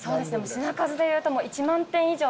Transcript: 品数でいうと１万点以上は。